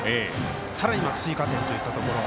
さらに、追加点といったところ。